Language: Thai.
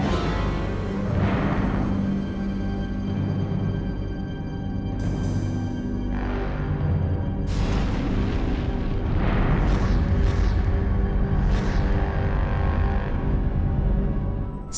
นักศึกษ์อาจารย์จริงประวัติศาสตร์